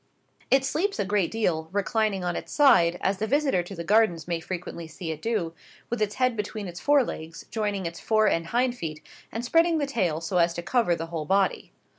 " It sleeps a great deal, reclining on its side, as the visitor to the Gardens may frequently see it do, with its head between its fore legs, joining its fore and hindfeet, and spreading the tail so as to cover the whole body.